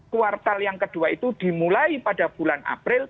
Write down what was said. kuartal yang kedua itu dimulai pada bulan april